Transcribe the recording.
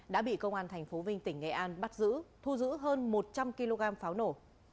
đã bị công an tp vinh tỉnh nghệ an bắt giữ thu giữ hơn một trăm linh kg pháo nổ